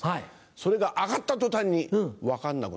それが上がった途端に分かんなくなってしまう。